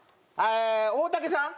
大嵩さん